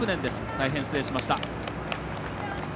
大変失礼しました。